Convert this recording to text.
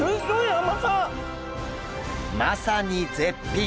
まさに絶品！